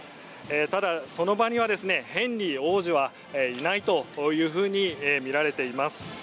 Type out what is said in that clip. ただ、その場にはヘンリー王子はいないというふうにみられています。